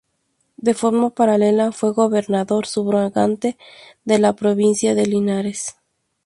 De forma paralela fue gobernador subrogante de la Provincia de Linares.